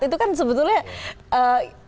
itu kan sebetulnya gimana ya